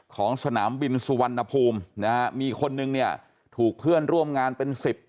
ของสนามบินสุวรรณภูมินะฮะมีคนนึงเนี่ยถูกเพื่อนร่วมงานเป็นสิบ